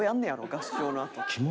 合唱のあと」